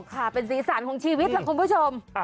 ค่ะเป็นสีสันของชีวิตล่ะคุณผู้ชม